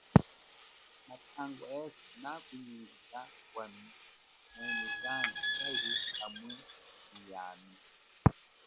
Mathangwa eswe nakunyingika ngwami, mwene zambi kali hamwe nyi yami.